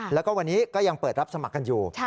แล้วก็วันนี้ก็ยังเปิดรับสมัครกันอยู่